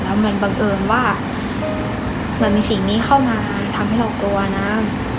แล้วมันบังเอิญว่าเหมือนมีสิ่งนี้เข้ามาทำให้เรากลัวนะ